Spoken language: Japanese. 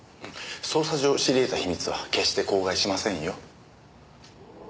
捜査上知りえた秘密は決して口外しませんよ。